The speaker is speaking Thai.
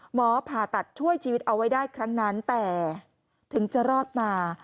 ผ่าตัดช่วยชีวิตเอาไว้ได้ครั้งนั้นแต่ถึงจะรอดมา